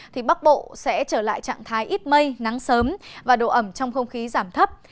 thì bắc bộ sẽ trở lại trạng thái ít mây nắng sớm và độ ẩm trong không khí giảm thấp